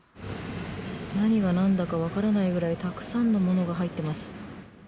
何がなんだか分からないぐらい、たくさんのものが入ってます。